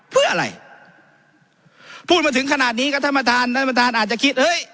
เพื่ออะไรพูดมาถึงขนาดนี้ก็ธรรมฐานธรรมฐานอาจจะคิดเฮ้ย